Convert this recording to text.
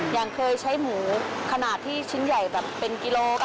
ยังเคยใช้หมูขนาดที่ชิ้นใหญ่แบบเป็นกิโลกรัม